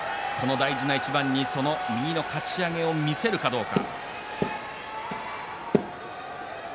大事な一番にその右のかち上げを見せるかどうか。